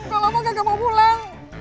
kalau mau kagak mau pulang